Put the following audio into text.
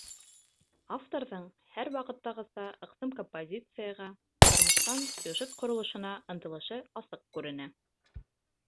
Авторҙың, һәр ваҡыттағыса, ыҡсым композицияға, тормошсан сюжет ҡоролошона ынтылышы асыҡ күренә.